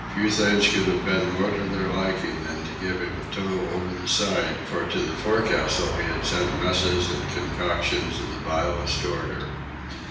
Few things could have been more to their liking than to give him a tow over the side, for to the forecastle he had sent messes and concoctions of the vilest order.